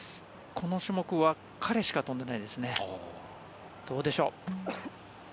この種目は彼しか飛んでないですね。